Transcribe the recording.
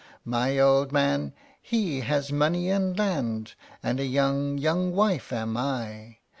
My old man, he has money and land, And a young, young wife am I.